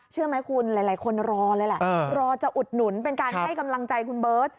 เชื่อไหมคุณหลายคนรอเลยแหละรอจะอุดหนุนเป็นการให้กำลังใจคุณเบิร์ต